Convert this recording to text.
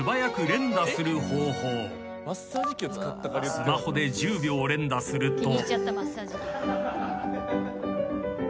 ［スマホで１０秒連打すると］